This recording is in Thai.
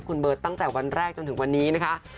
คุณเบิร์ตตั้งแต่วันแรกจนถึงวันนี้นะคะ